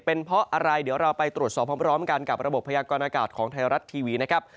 เป็นเพราะอะไรเดี๋ยวเราไปตรวจสอบพร้อมกันกับระบบพยากรณากาศของไทยรัฐทีวีนะครับ